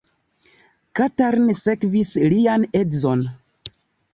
Katalin sekvis lian edzon.